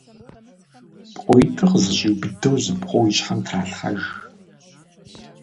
ПкъоитӀыр къызэщӀиубыдэу зы пкъо и щхьэм тралъхьэж.